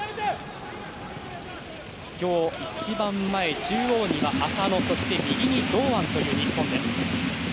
今日、一番前、中央には浅野そして右に堂安という日本です。